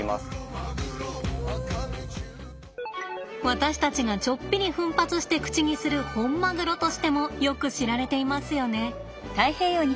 私たちがちょっぴり奮発して口にするホンマグロとしてもよく知られていますよね。